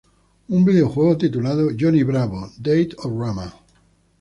Un videojuego titulado "Johnny Bravo: Date-O-Rama!